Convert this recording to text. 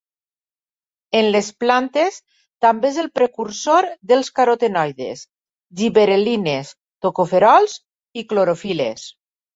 En les plantes també és el precursor dels carotenoides, gibberel·lines, tocoferols i clorofil·les.